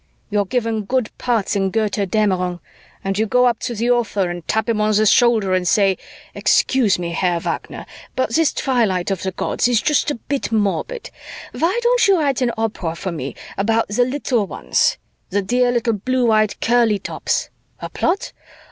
"You're given good parts in Götterdämmerung and you go up to the author and tap him on the shoulder and say, 'Excuse me, Herr Wagner, but this Twilight of the Gods is just a bit morbid. Why don't you write an opera for me about the little ones, the dear little blue eyed curly tops? A plot?